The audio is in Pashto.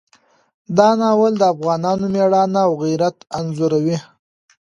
دا ناول د افغانانو مېړانه او غیرت انځوروي.